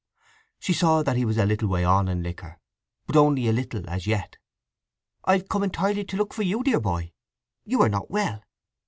She saw that he was a little way on in liquor, but only a little as yet. "I've come entirely to look for you, dear boy. You are not well.